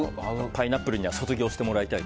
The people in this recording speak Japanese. パイナップルには卒業してもらいたい。